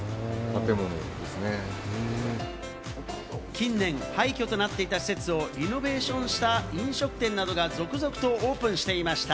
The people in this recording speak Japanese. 近年、廃墟となっていた施設をリノベーションした飲食店などが続々とオープンしていました。